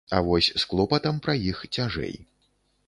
А вось з клопатам пра іх цяжэй.